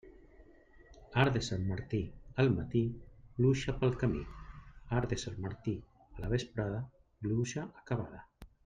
Arc de Sant Martí al matí, pluja pel camí; arc de Sant Martí a la vesprada, pluja acabada.